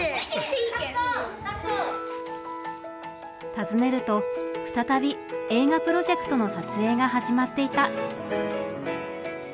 訪ねると再び映画プロジェクトの撮影が始まっていた。